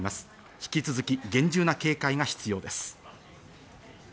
引き続き厳重な警戒が必要です。